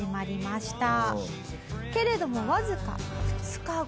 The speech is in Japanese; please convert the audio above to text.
けれどもわずか２日後。